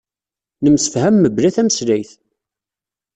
Nemsefham mebla tameslayt